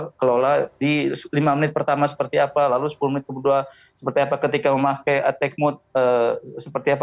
kita kelola di lima menit pertama seperti apa lalu sepuluh menit kedua seperti apa ketika memakai attack mode seperti apa